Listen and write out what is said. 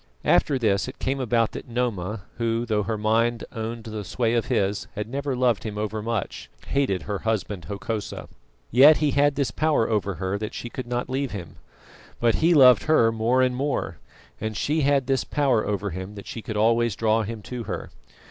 After this it came about that Noma, who, though her mind owned the sway of his, had never loved him over much, hated her husband Hokosa. Yet he had this power over her that she could not leave him. But he loved her more and more, and she had this power over him that she could always draw him to her.